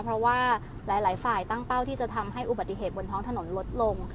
เพราะว่าหลายฝ่ายตั้งเป้าที่จะทำให้อุบัติเหตุบนท้องถนนลดลง